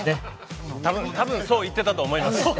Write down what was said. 多分、そう言ってたと思います。